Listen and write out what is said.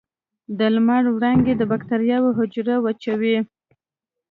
د لمر وړانګې د بکټریاوو حجره وچوي.